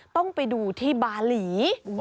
ต้องไปดูที่บาหลี